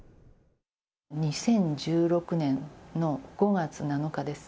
２０１６年の５月７日です。